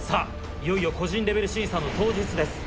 いよいよ個人レベル審査の当日です。